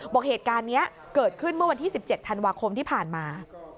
บอกเหตุการณ์นี้เกิดขึ้นเมื่อวันที่๑๗ธันวาคมที่ผ่านมา